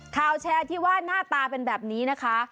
ข่าวแชร์ที่ว่าหน้าตาเป็นแบบนี้นะคะ